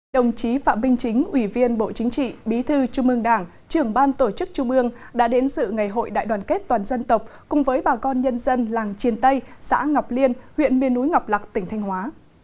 đồng chí phạm minh chính ủy viên bộ chính trị bí thư trung ương đảng trưởng ban tổ chức trung ương đã đến sự ngày hội đại đoàn kết toàn dân tộc cùng với bà con nhân dân làng triền tây xã ngọc liên huyện miền núi ngọc lạc tỉnh thanh hóa